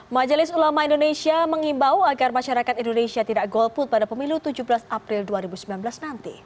majelis ulama indonesia mengimbau agar masyarakat indonesia tidak golput pada pemilu tujuh belas april dua ribu sembilan belas nanti